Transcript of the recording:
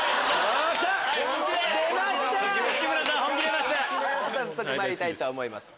早速まいりたいと思います。